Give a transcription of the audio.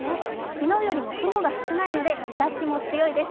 昨日よりも雲が少ないので日ざしも強いです。